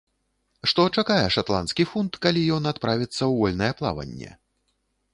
Што чакае шатландскі фунт, калі ён адправіцца ў вольнае плаванне?